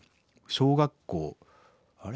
小学校あれ？